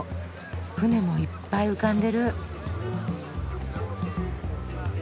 船もいっぱい浮かんでる。